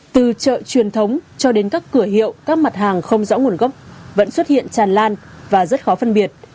từ chợ truyền thống cho đến các cửa hiệu các mặt hàng không rõ nguồn gốc vẫn xuất hiện tràn lan và rất khó phân biệt